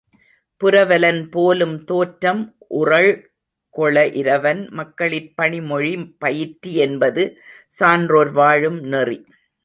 புரவலன் போலும் தோற்றம் உறழ்கொள இரவன் மாக்களிற் பணிமொழி பயிற்றி என்பது சான்றோர் வாழும் நெறி.